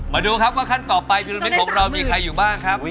มาดูครับว่าขั้นต่อไปพี่โดมมีใครอยู่บ้างครับ